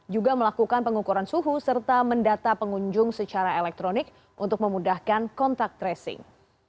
juga melakukan pengukuran suhu serta mendata pengunjung secara elektronik untuk memudahkan kontak tracing